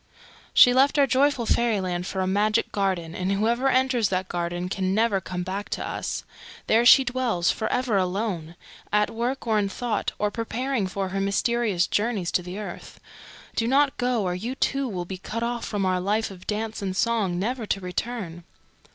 "She left our joyful Fairyland for a Magic Garden, and whoever enters that Garden can never come back to us. There she dwells for ever alone, at work or in thought, or preparing for her mysterious journeys to the earth. Do not go, or you too will be cut off from our life of dance and song, never to return."